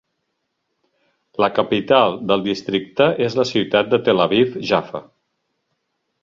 La capital del districte és la ciutat de Tel Aviv-Jaffa.